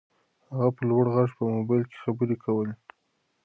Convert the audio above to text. هغه په لوړ غږ په موبایل کې خبرې کولې.